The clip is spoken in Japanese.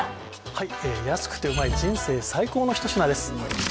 はい安くてうまい人生最高の一品です